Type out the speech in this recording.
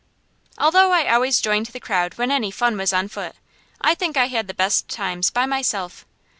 Although I always joined the crowd when any fun was on foot, I think I had the best times by myself.